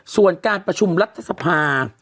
ส่วนการประชุมรัฐสภา